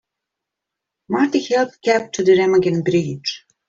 Marty helped capture the Remagen Bridge.